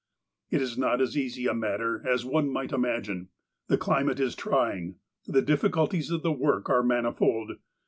It is not as easy a matter as one might imagine. The climate is trying. The difficulties of the work are manifold.